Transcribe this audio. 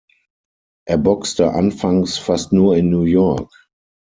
Er boxte anfangs fast nur in New York.